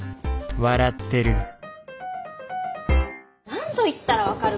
何度言ったら分かるかな？